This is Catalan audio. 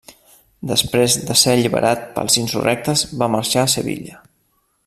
Després de ser alliberat pels insurrectes va marxar a Sevilla.